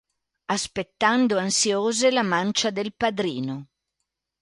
Aspettando ansiose la mancia del padrino.